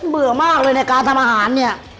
เบื่อมากเลยในการทำอาหารเนี่ย